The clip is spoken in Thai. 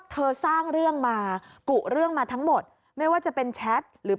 สร้างเรื่องมากุเรื่องมาทั้งหมดไม่ว่าจะเป็นแชทหรือ